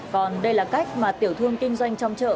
còn đây là cách mà tiểu thương kinh doanh trong chợ